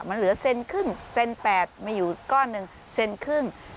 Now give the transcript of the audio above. มันเหลือเซนครึ่งเซน๘มีอยู่ก้อนหนึ่งเซนครึ่ง